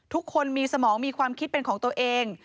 ทุกคนมีสมองมีความคิดเป็นของตัวเอง